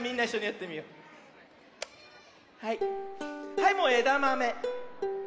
はいもうえだまめ。